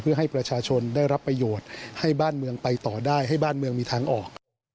เพื่อให้ประชาชนได้รับประโยชน์ให้บ้านเมืองไปต่อได้ให้บ้านเมืองมีทางออก